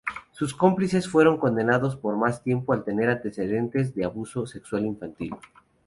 Sus cómplices fueron condenados por más tiempo al tener antecedentes de abuso sexual infantil.